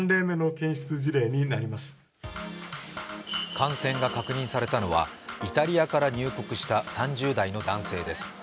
感染が確認されたのはイタリアから入国した３０代の男性です。